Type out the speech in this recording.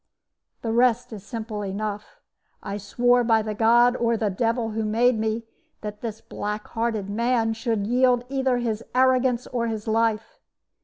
"The rest is simple enough. I swore by the God, or the Devil, who made me, that this black hearted man should yield either his arrogance or his life.